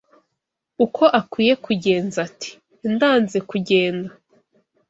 Uko akwiye kugenza Ati: ndanze kugenda